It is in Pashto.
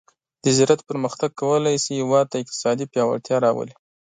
د زراعت پرمختګ کولی شي هیواد ته اقتصادي پیاوړتیا راولي.